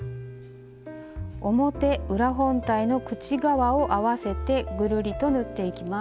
表・裏本体の口側を合わせてぐるりと縫っていきます。